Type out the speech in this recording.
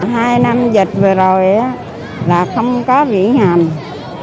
hai năm dịch vừa rồi là không có viễn hàm